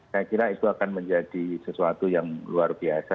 saya kira itu akan menjadi sesuatu yang luar biasa